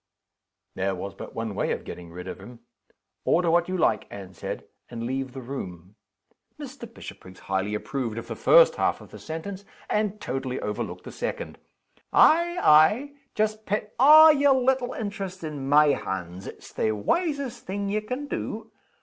There was but one way of getting rid of him: "Order what you like," Anne said, "and leave the room." Mr. Bishopriggs highly approved of the first half of the sentence, and totally overlooked the second. "Ay, ay just pet a' yer little interests in my hands; it's the wisest thing ye can do.